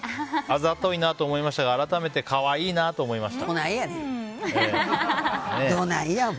あざといなと思いましたが改めて可愛いなとどないやねん！